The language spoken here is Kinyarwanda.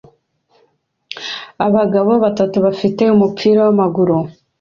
abagabo batatu bafite umupira wamaguru